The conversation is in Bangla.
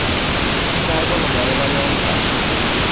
কিন্তু, যাই বল মা, এ ভারি অন্যায়।